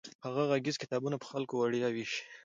هغه غږیز کتابونه په خلکو وړیا ویشي.